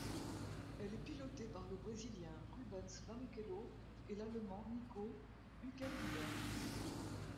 Elle est pilotée par le Brésilien Rubens Barrichello et l'Allemand Nico Hülkenberg.